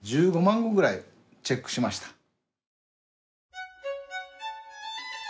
１５万語ぐらいチェックしました。